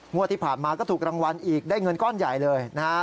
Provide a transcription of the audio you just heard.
งวดที่ผ่านมาก็ถูกรางวัลอีกได้เงินก้อนใหญ่เลยนะฮะ